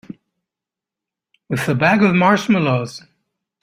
With a bag of marshmallows.